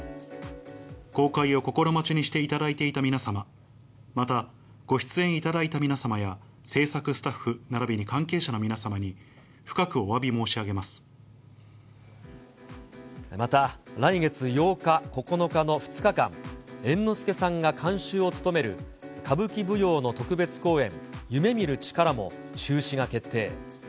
公開を心待ちにしていただいた皆様、またご出演いただいた皆様や製作スタッフ並びに関係者の皆様に、また、来月８日、９日の２日間、猿之助さんが監修を務める歌舞伎舞踊の特別公演、夢見る力も中止が決定。